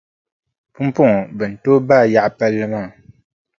Pumpɔŋɔ bɛ ni tooi baai yaɣi palli maa.